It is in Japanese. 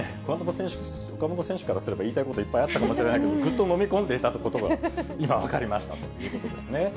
岡本選手からすれば、言いたいこといっぱいあったかもしれないけど、ぐっと飲み込んでいたことが、今分かりましたということですね。